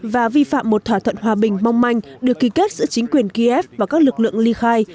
và vi phạm một thỏa thuận hòa bình mong manh được ký kết giữa chính quyền kiev và các lực lượng ly khai